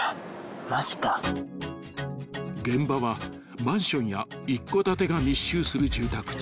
［現場はマンションや一戸建てが密集する住宅地］